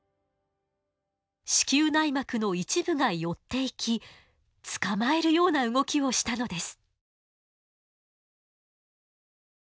子宮内膜の一部が寄っていき捕まえるような動きをしたのです。